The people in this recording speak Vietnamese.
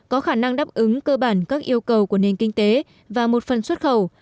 có khả năng đáp ứng cơ bản các yêu cầu của nền kinh tế và một phần xuất khẩu